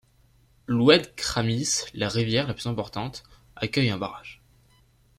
L'oued Kramis, la rivière la plus importante, accueille un barrage.